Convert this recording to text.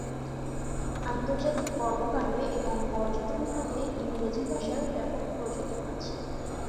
আন্তর্জাতিক কর্মকাণ্ডে এবং পর্যটন খাতে ইংরেজি ভাষার ব্যাপক প্রচলন আছে।